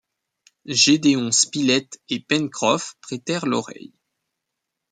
Gédéon Spilett et Pencroff prêtèrent l’oreille